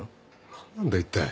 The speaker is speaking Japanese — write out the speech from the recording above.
何なんだいったい。